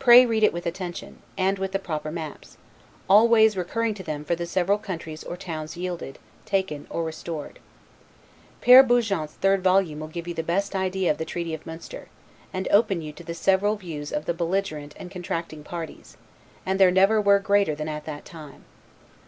Pray read it with attention, and with the proper maps; always recurring to them for the several countries or towns yielded, taken, or restored. Pyre Bougeant's third volume will give you the best idea of the treaty of Munster, and open to you the several views of the belligerent' and contracting parties, and there never were greater than at that time.